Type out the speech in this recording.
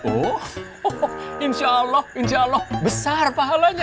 uh insya allah insya allah besar pahalanya